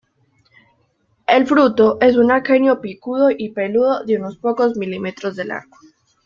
El fruto es un aquenio picudo y peludo de unos pocos milímetros de largo.